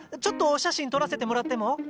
ちょっとお写真撮らせてもらっても？